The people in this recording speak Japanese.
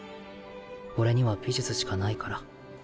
俺には美術しかないから。